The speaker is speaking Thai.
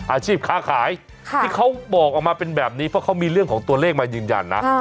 อาชีพค้าขายที่เขาบอกออกมาเป็นแบบนี้เพราะเขามีเรื่องของตัวเลขมายืนยันนะ